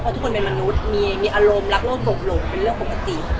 เพราะทุกคนเป็นมนุษย์มีอารมณ์รักโลกหลบหลงเป็นเรื่องปกติ